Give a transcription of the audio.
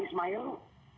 dan juga joko dan juga joko